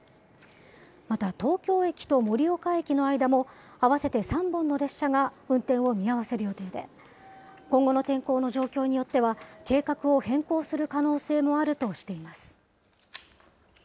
また東京駅と盛岡駅の間も、合わせて３本の列車が運転を見合わせる予定で、今後の天候の状況によっては、計画を変更する可能性もあるとしています。